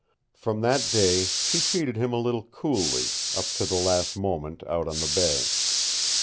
From that day she treated him a little coolly up to the last moment, out on the bay.